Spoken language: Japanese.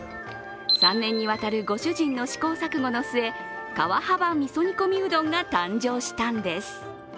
３年にわたるご主人の試行錯誤の末川幅味噌煮込みうどんが誕生したんです。